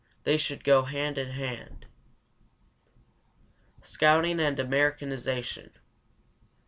They should go hand in hand." SCOUTING AND AMERICANIZATION.